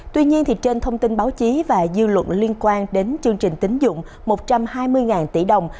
tuy nhiên trên thông tin báo chí và dư luận liên quan đến chương trình tính dụng một trăm hai mươi tỷ đồng